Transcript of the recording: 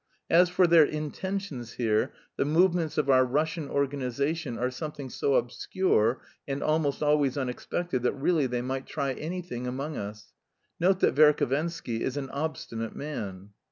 As for their intentions here, the movements of our Russian organisation are something so obscure and almost always unexpected that really they might try anything among us. Note that Verhovensky is an obstinate man."